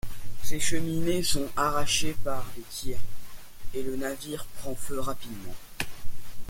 Ses cheminées sont arrachées par les tirs, et le navire prend feu rapidement.